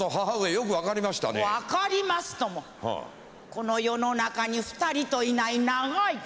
この世の中にふたりといない長い顔。